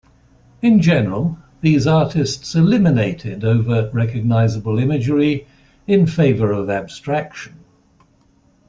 In general these artists eliminated overt recognizable imagery in favor of abstraction.